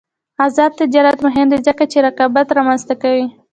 آزاد تجارت مهم دی ځکه چې رقابت رامنځته کوي.